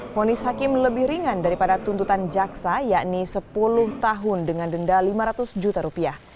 fonis hakim lebih ringan daripada tuntutan jaksa yakni sepuluh tahun dengan denda lima ratus juta rupiah